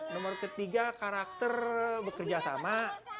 nomor ketiga karakter bekerjasama